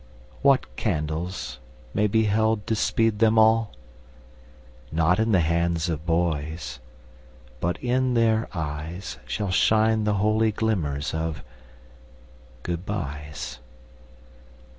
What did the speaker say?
What candles may be held to speed them all? Not in the hands of boys, but in their eyes Shall shine the holy glimmers of good byes.